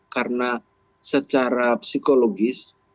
karena secara psikologis